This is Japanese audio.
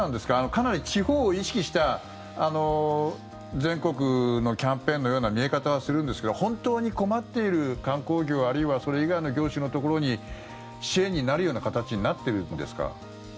かなり地方を意識した全国のキャンペーンのような見え方はするんですけど本当に困っている観光業あるいはそれ以外の業種のところに支援になるような形になっているんですか？